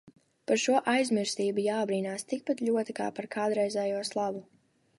Par šo aizmirstību jābrīnās tikpat ļoti, kā par kādreizējo slavu.